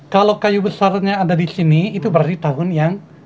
kalau kayu besarnya ada disini itu berarti tahun yang